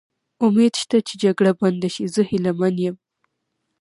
امید شته چې جګړه دې بنده شي، زه هیله من یم.